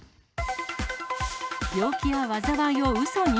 病気や災いをうそに？